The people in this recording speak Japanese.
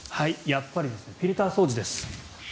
やっぱりフィルター掃除です。